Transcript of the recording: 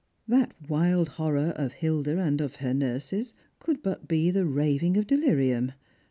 That wild horror of Hilda and of her nurses could but be the raving of delirium.